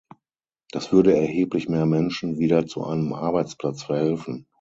Das würde erheblich mehr Menschen wieder zu einem Arbeitsplatz verhelfen.